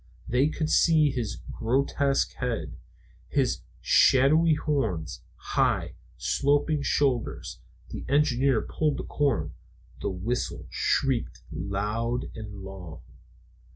They could see his grotesque head, his shadowy horns, high, sloping shoulders. The engineer pulled the cord. The whistle shrieked loud and long.